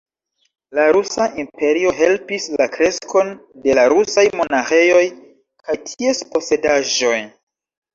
La rusa imperio helpis la kreskon de la rusaj monaĥejoj kaj ties posedaĵoj.